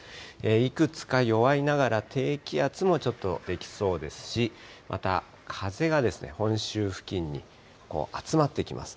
いくつか弱いながら低気圧もちょっとできそうですし、また、風が本州付近にこう、集まってきます。